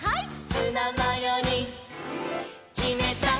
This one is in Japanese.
「ツナマヨにきめた！」